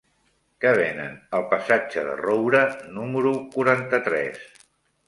Què venen al passatge de Roura número quaranta-tres?